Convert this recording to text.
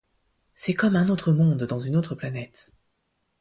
C'est comme un autre monde dans une autre planète.